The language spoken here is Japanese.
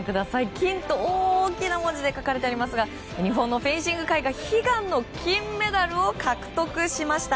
「金」と大きな文字で書かれてますが日本のフェンシング界が悲願の金メダルを獲得しました。